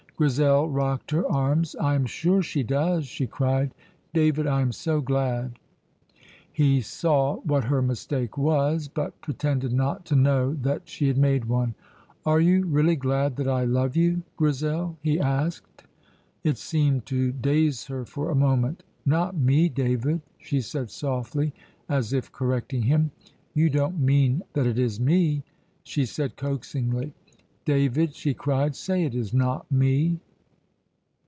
Grizel rocked her arms. "I am sure she does," she cried. "David, I am so glad!" He saw what her mistake was, but pretended not to know that she had made one. "Are you really glad that I love you, Grizel?" he asked. It seemed to daze her for a moment. "Not me, David," she said softly, as if correcting him. "You don't mean that it is me?" she said coaxingly. "David," she cried, "say it is not me!"